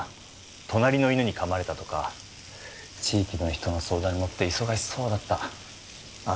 隣の犬に噛まれたとか地域の人の相談に乗って忙しそうだったああ